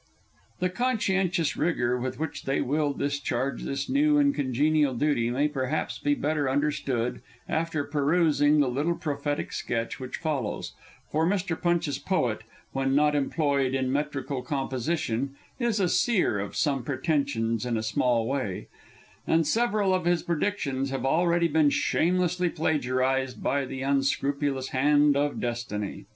The conscientious rigour with which they will discharge this new and congenial duty may perhaps be better understood after perusing the little prophetic sketch which follows; for Mr. Punch's Poet, when not employed in metrical composition, is a Seer of some pretensions in a small way, and several of his predictions have already been shamelessly plagiarised by the unscrupulous hand of Destiny.